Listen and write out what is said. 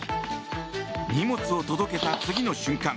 荷物を届けた次の瞬間